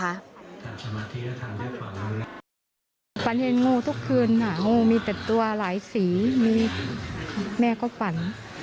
ฝันเห็นงูทุกคืนน่ะงูมีแต่ตัวหลายสีมีแม่ก็ฝัน